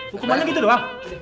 hukumannya gitu doang